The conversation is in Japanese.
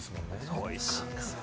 おいしいですよね。